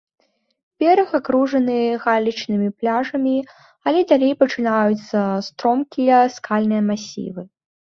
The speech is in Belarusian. Бераг акружаны галечнымі пляжамі, але далей пачынаюцца стромкія скальныя масівы.